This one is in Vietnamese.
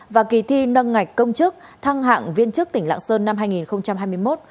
và kỳ thi nâng ngạch công chức thăng hạng viên chức tỉnh lạng sơn năm hai nghìn hai mươi một